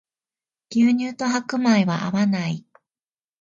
牛乳と白米は合わない